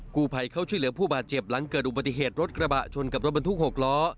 กู้ภัยเข้าช่วยเหลือผู้บาดเจ็บหลังเกิดอุบัติเหตุรถกระบะชนกับรถบรรทุก๖ล้อ